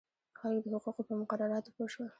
خلک د حقوقو په مقرراتو پوه شول.